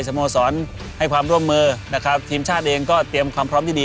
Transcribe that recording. สโมสรให้ความร่วมมือนะครับทีมชาติเองก็เตรียมความพร้อมที่ดี